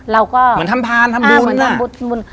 เราก็เหมือนทำพรรณทำบุญน่ะอ่าเหมือนทำบุญ